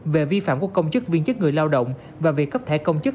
về vi phạm của công chức viên chức người lao động và việc cấp thẻ công chức